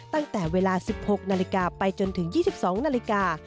ตั้งแต่เวลา๑๖นาฬิกาไปจนถึง๒๒นาฬิกา